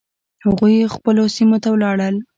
هغوی خپلو سیمو ته ولاړل.